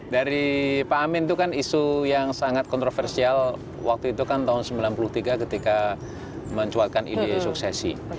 dari pak amin itu kan isu yang sangat kontroversial waktu itu kan tahun sembilan puluh tiga ketika mencuatkan ide suksesi